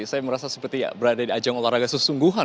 saya merasa seperti berada di ajang olahraga sesungguhan